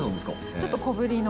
ちょっと小ぶりの。